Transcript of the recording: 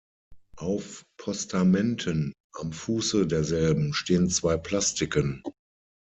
Auf Postamenten am Fuße derselben stehen zwei Plastiken.